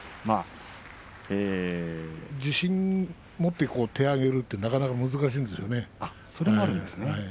自信持って手を挙げるというのはなかなか難しいんですよね。